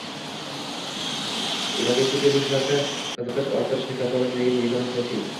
ularga chet ellarda qiziqish ortishini kafolatlaydigan yagona siyosiy